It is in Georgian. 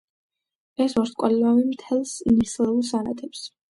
ეს ვარსკვლავი მთელს ნისლეულს ანათებს.